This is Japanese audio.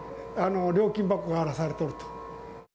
料金箱が荒らされとると。